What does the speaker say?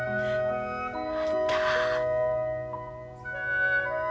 あんた。